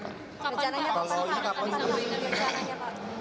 pada wawannya kapan itu